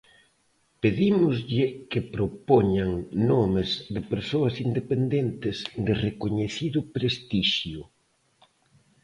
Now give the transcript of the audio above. Pedímoslle que propoñan nomes de persoas independentes de recoñecido prestixio.